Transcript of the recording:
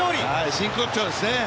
真骨頂ですね